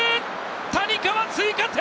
谷川、追加点！